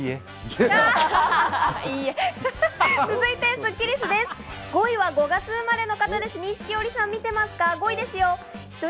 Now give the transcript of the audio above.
スッキりす、５位は５月生まれの方、錦織さん見てますか？